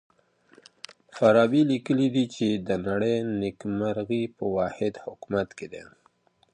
فارابي ليکلي دي چي د نړۍ نېکمرغي په واحد حکومت کي ده.